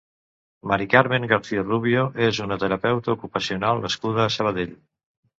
Mari Carmen García Rubio és una terapeuta ocupacional nascuda a Sabadell.